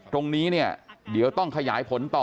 ตรงนี้เนี่ยเดี๋ยวต้องขยายผลต่อ